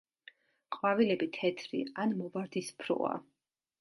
ყვავილები თეთრი ან მოვარდისფროა.